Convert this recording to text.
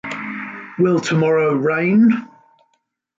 Will tomorrow rain?